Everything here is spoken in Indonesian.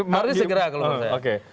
mari segera kalau menurut saya